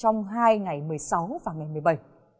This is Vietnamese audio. trong hai ngày một mươi sáu và ngày một mươi bảy